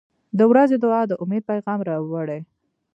• د ورځې دعا د امید پیغام راوړي.